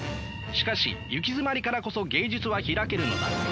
しかしゆきづまりからこそ芸術は開けるのだ。